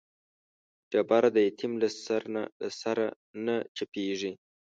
ډبره د يتيم له سره نه چپېږي.